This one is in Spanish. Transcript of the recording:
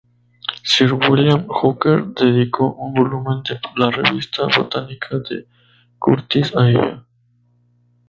Sir William Hooker dedicó un volumen de "la revista Botánica de Curtis" a ella.